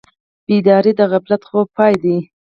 بیداري د غفلت د خوب پای دی.